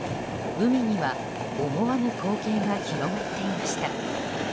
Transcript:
海には思わぬ光景が広がっていました。